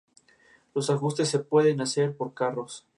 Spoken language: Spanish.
Las imágenes de la prensa diaria sólo son accesibles en Intranet.